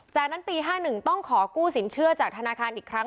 จากนั้นปี๕๑ต้องขอกู้สินเชื่อจากธนาคารอีกครั้ง